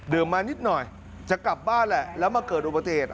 ดื่มมานิดหน่อยจะกลับบ้านแล้วแล้วมาเกิดอุปเตศ